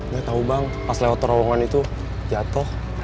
gak tau bang pas lewat terowongan itu jatoh